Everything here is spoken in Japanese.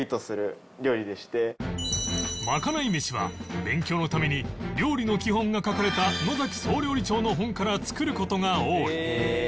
まかない飯は勉強のために料理の基本が書かれた野総料理長の本から作る事が多い